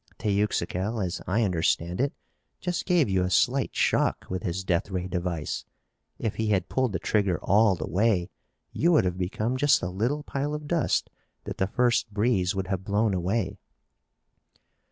Teuxical, as I understand it, just gave you a slight shock with his death ray device. If he had pulled the trigger all the way you would have become just a little pile of dust that the first breeze would have blown away."